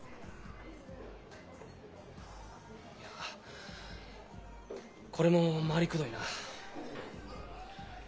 いやこれも回りくどいな。